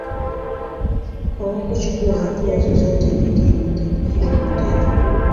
hawakuchukua hatua zozote dhidi ya mataifa hayo matatu